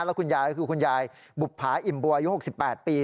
แล้วคุณยายก็คือคุณยายบุภาอิ่มบัวอายุ๖๘ปี